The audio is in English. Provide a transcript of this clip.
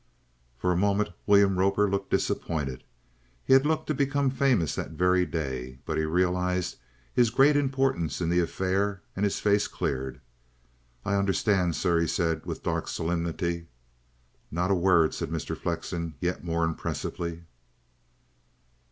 For a moment William Roper looked disappointed. He had looked to become famous that very day. But he realized his great importance in the affair, and his face cleared. "I understands, sir," he said with a dark solemnity. "Not a word," said Mr. Flexen yet more impressively.